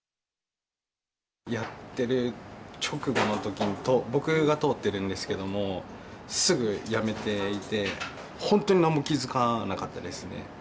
やっている直後のとき、僕が通ってるんですけども、すぐやめていて、本当になんも気付かなかったですね。